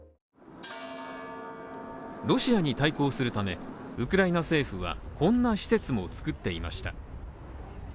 ロシアに対抗するためウクライナ政府はこんな施設も作っていました。